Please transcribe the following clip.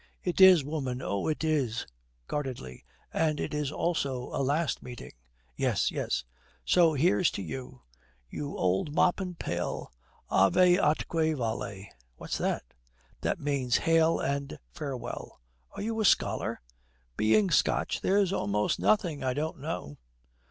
'It is, woman, oh, it is,' guardedly, 'and it's also a last meeting.' 'Yes, yes.' 'So here's to you you old mop and pail. Ave atque vale.' 'What's that?' 'That means Hail and Farewell.' 'Are you a scholar?' 'Being Scotch, there's almost nothing I don't know.'